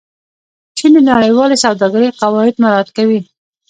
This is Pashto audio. چین د نړیوالې سوداګرۍ قواعد مراعت کوي.